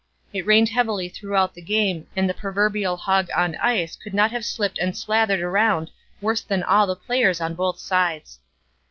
It rained heavily throughout the game and the proverbial 'hog on ice' could not have slipped and slathered around worse than all the players on both sides.